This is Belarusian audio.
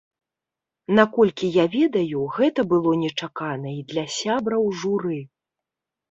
Наколькі я ведаю, гэта было нечакана і для сябраў журы.